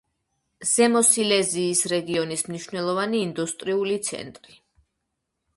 ზემო სილეზიის რეგიონის მნიშვნელოვანი ინდუსტრიული ცენტრი.